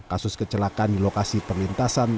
kasus kecelakaan di lokasi perlintasan